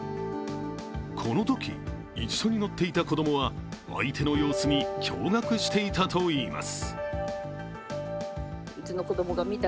このとき、一緒に乗っていた子供は相手の様子に驚がくしていたといいます。